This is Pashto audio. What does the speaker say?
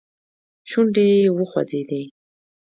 شونډې يې وخوځېدې.